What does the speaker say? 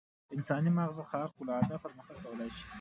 انساني ماغزه خارق العاده پرمختګ کولای شي.